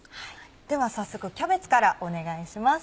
では早速キャベツからお願いします。